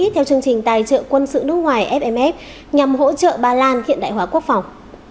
theo chương trình tài trợ quân sự nước ngoài fmf nhằm hỗ trợ ba lan hiện đại hóa quốc phòng